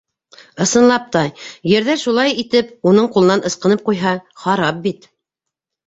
Ысынлап та, ерҙәр шулай итеп уның ҡулынан ысҡынып ҡуйһа, харап бит.